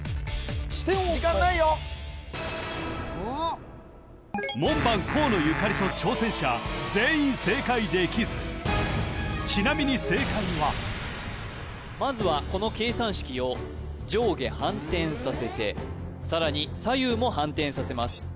視点を変える門番・河野ゆかりと挑戦者全員正解できずちなみに正解はまずはこの計算式を上下反転させてさらに左右も反転させます